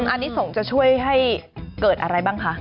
อันนี้ส่งจะช่วยให้เกิดอะไรบ้างคะ